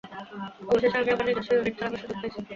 অবশেষে, আমি আমার নিজস্ব ইউনিট চালানোর সুযোগ পেয়েছি।